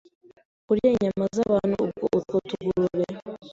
kurya inyama z’abantu, ubwo utwo tugurube